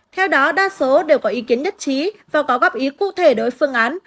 theo đó đa số đều có ý kiến nhất trí và có góp ý cụ thể đối với phương án